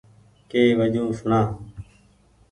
ڪي وجون سوڻا ۔